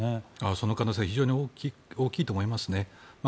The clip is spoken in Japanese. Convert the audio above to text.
その可能性非常に大きいと思いますね。